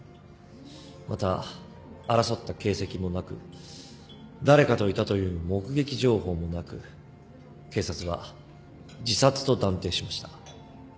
また争った形跡もなく誰かといたという目撃情報もなく警察は自殺と断定しました。